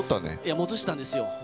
戻したんですよ。